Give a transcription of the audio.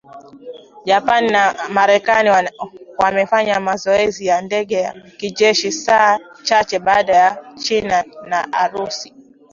Japan na Marekani wamefanya mazoezi ya ndege za kijeshi saa chache baada ya China na Urusi